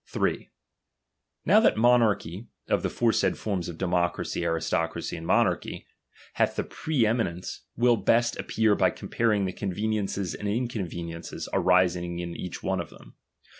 '■—' 3. Now that monarchy, of the foresaid forms of Thep™M democracy, aristocracy, and monarchy, hath the a pre eminence, will best appear by comparing the ■ conveniences and inconveniences arising in each fl one of them.